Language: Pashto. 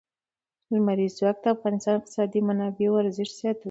لمریز ځواک د افغانستان د اقتصادي منابعو ارزښت زیاتوي.